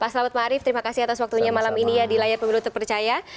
pak selamat ma'arif terima kasih atas waktunya malam ini ya di layar pemilu terpercaya